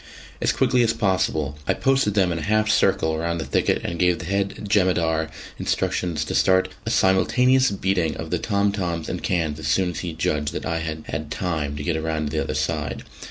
As quickly as possible I posted them in a half circle round the thicket, and gave the head jemadar instructions to start a simultaneous beating of the tom toms and cans as soon as he judged that I had had time to get round to the other side.